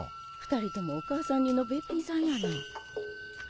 ２人ともお母さん似のベッピンさんやな。